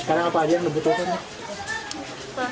karena apa aja yang dibutuhkan